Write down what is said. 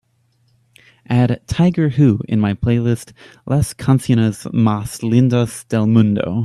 add tiger hu in my playlist Las Canciones Más Lindas Del Mundo